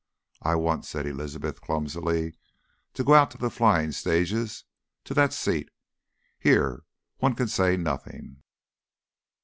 "I want," said Elizabeth clumsily, "to go out to the flying stages to that seat. Here, one can say nothing...."